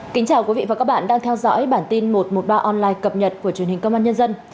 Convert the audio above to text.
kính chào quý vị và các bạn đang theo dõi bản tin một trăm một mươi ba online cập nhật của truyền hình công an nhân dân